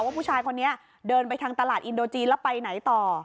ว่าผู้ชายคนนี้เดินไปทางตลาดอินโดจีนแล้วไปไหนต่อ